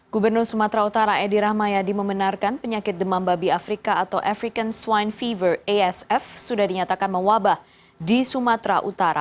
gubernur sumatera utara edi rahmayadi membenarkan penyakit demam babi afrika atau african swine fever asf sudah dinyatakan mewabah di sumatera utara